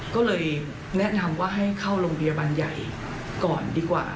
ก็เลยแนะนำว่าให้เข้าโรงพยาบาลใหญ่ก่อนดีกว่า